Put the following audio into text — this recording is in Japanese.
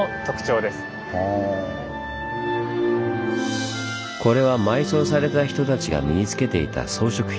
これは埋葬された人たちが身に着けていた装飾品です。